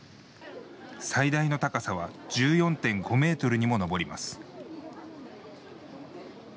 最大の高さは１４．５ｍにも上ります。